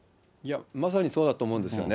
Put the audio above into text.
まさにそうだと思うんですよね。